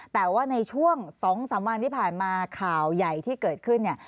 แต่ว่าในช่วง๒๓วันที่ผ่านมาข่าวใหญ่ที่เกิดขึ้นเนี่ย